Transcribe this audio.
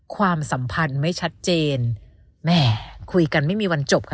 ความสัมพันธ์ไม่ชัดเจนแหมคุยกันไม่มีวันจบค่ะ